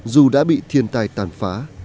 dù đã bị thiền tài tàn phá